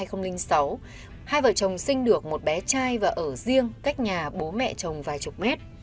hai vợ chồng sinh được một bé trai và ở riêng cách nhà bố mẹ chồng vài chục mét